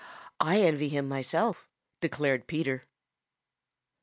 "I envy him myself," declared Peter.